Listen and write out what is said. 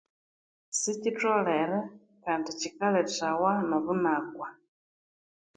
Sichitholere Kandi chikaletewa nobunaku